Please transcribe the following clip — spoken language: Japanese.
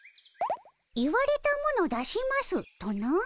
「言われたもの出します」とな？